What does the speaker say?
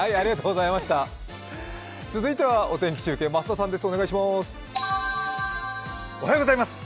続いてはお天気中継、増田さんです。